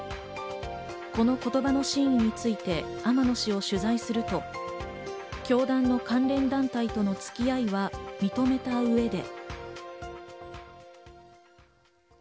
この言葉の真意について天野氏を取材すると、教団の関連団体とのつき合いは認めた上で。